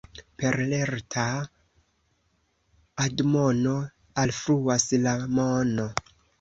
Per lerta admono alfluas la mono.